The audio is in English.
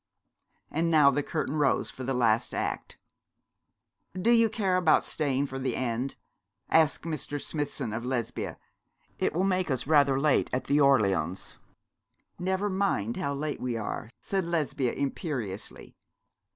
And now the curtain rose for the last act. 'Do you care about staying for the end?' asked Mr. Smithson of Lesbia. 'It will make us rather late at the Orleans.' 'Never mind how late we are,' said Lesbia, imperiously.